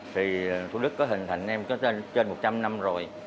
thì thủ đức có hình thành em có trên một trăm linh năm rồi